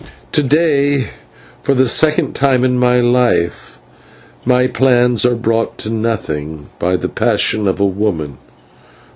To day, for the second time in my life, my plans are brought to nothing by the passion of a woman.